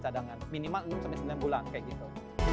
cadangan minimal enam sembilan bulan kayak gitu